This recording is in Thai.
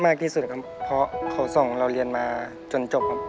มากที่สุดครับพ่อเขาส่งเราเรียนมาจนจบ